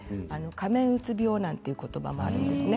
仮面うつ病なんていう言葉もあるんです。